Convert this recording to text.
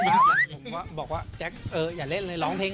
ผมก็บอกว่าแจ๊คเอออย่าเล่นเลยร้องเพลง